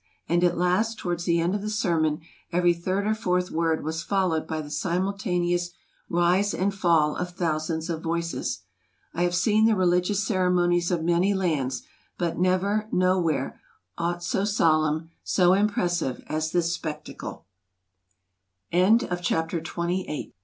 And at last, towards the end of the sermon, every third or fourth word was followed by the simultaneous rise and fall of thousands of voices. I have seen the religious ceremonies of many lands, but never — nowhere — aught so solemn, so imp